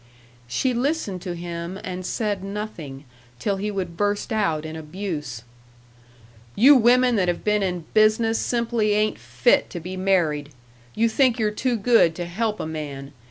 She listened to him and said nothing, till he would burst out in abuse: "You women that have been in business simply ain't fit to be married. You think you're too good to help a man.